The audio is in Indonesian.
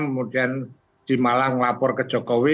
kemudian di malang lapor ke jokowi